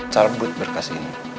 calbut berkas ini